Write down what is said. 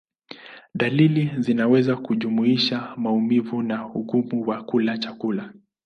Dalili zinaweza kujumuisha maumivu na ugumu wa kula chakula.